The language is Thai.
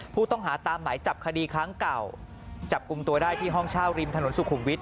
ผู้ต้องหาตามหมายจับคดีครั้งเก่าจับกลุ่มตัวได้ที่ห้องเช่าริมถนนสุขุมวิทย